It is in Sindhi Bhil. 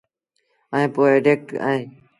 ائيٚݩ ٻآ اينڊيٚڪٽ اهيݩ۔